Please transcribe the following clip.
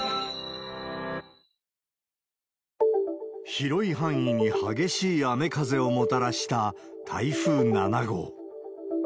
広い範囲に激しい雨風をもたらした台風７号。